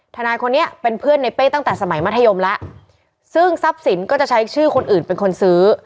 ทนายคนนี้เป็นเพื่อนในเป้ตั้งแต่สมัยมัธยมแล้วซึ่งทรัพย์สินก็จะใช้ชื่อคนอื่นเป็นคนซื้อ